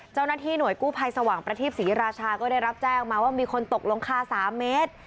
เจ้าหน้าที่หน่วยกู้ภัยสว่างประทีปศรีราชาก็ได้รับแจ้งมาว่ามีคนตกลงคา๓เมตร